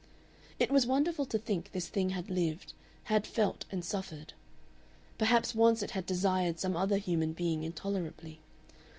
It was wonderful to think this thing had lived, had felt and suffered. Perhaps once it had desired some other human being intolerably.